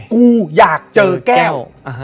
กูอยากเจอแก้ว